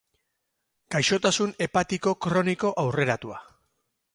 Gaixotasun hepatiko kroniko aurreratua.